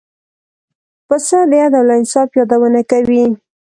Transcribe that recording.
پسه د عدل او انصاف یادونه کوي.